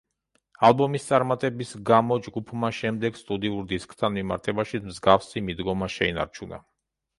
ალბომის წარმატების გამო ჯგუფმა შემდეგ სტუდიურ დისკთან მიმართებაშიც მსგავსი მიდგომა შეინარჩუნა.